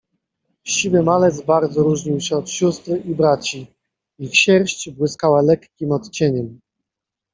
Siwy malec bardzo różnił się od sióstr i braci. Ich sierść błyskała lekkim odcieniem